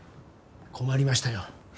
困りましたよ。